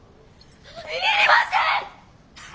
要りません！